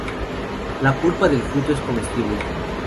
La pulpa del fruto es comestible.